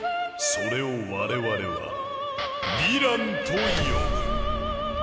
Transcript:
それを我々は「ヴィラン」と呼ぶ。